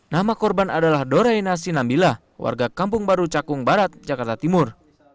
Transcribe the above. nama korban adalah doraina sinambila warga kampung baru cakung barat jakarta timur